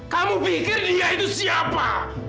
kamu pikir dia itu siapa